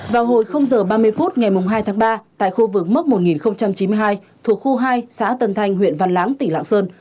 vào hồi h ba mươi phút ngày hai tháng ba tại khu vực mốc một nghìn chín mươi hai thuộc khu hai xã tân thanh huyện văn lãng tỉnh lạng sơn